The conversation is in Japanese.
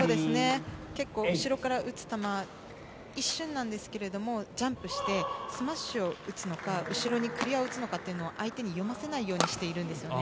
結構後ろから打つ球一瞬なんですがジャンプしてスマッシュを打つのか後ろにクリアを打つのかってのを相手に読ませないようにしているんですね。